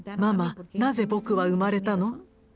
「ママなぜ僕は生まれたの？